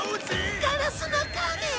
『ガラスのカメ』！